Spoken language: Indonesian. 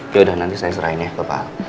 yaudah nanti saya serahin ya pak pak